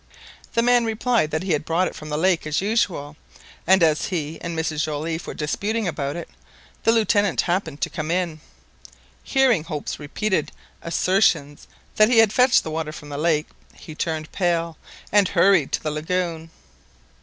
The man replied that he had brought it from the lake as usual, and as he and Mrs Joliffe were disputing about it, the Lieutenant happened to come in. Hearing Hope's repeated [asertions] assertions that he had fetched the water from the lake, he turned pale and hurried to the lagoon.